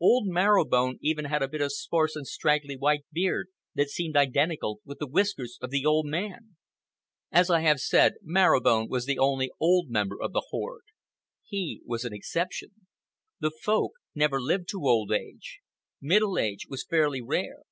Old Marrow Bone even had a bit of sparse and straggly white beard that seemed identical with the whiskers of the old man. As I have said, Marrow Bone was the only old member of the horde. He was an exception. The Folk never lived to old age. Middle age was fairly rare.